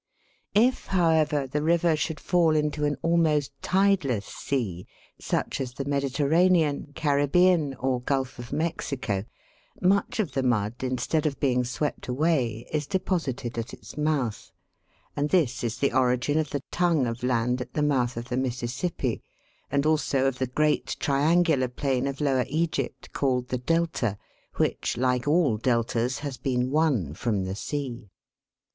If, however, the river should fall into an almost tideless sea, such as the Mediterranean, Carribean, or Gulf of Mexico, much of the mud, instead of being swept away, is deposited at its mouth ; and this is the origin of the tongue of land at the mouth of the Mississippi, and also of the great triangular plain of Lower Egypt called the Delta, which, like all deltas, has been won from the sea.